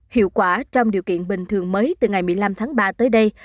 hiệu quả trong điều kiện bình thường mới từ ngày một mươi năm tháng ba tới đây